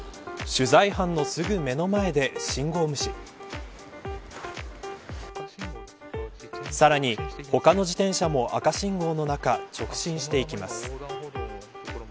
取材班のすぐ目の前で信号無視さらに他の自転車も赤信号の中直進していきます。